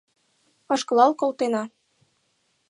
Ошкылал колтена...